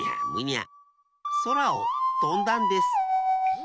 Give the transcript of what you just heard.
そらをとんだんです。